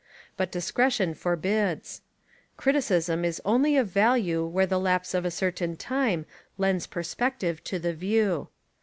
But discretion for bids. Criticism is only of value where the lapse of a certain time lends perspective to the view.